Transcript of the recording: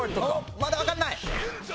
まだわかんない！